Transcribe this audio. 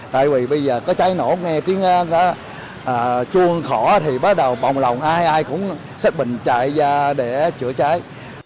tại vì bây giờ có cháy nổ nghe tiếng chuông khỏ thì bắt đầu bồng lồng ai ai cũng xếp bình chạy ra để chữa cháy